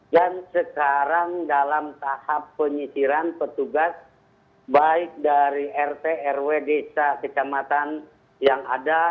dan sekarang dalam tahap penyisiran petugas baik dari rt rw desa kecamatan yang ada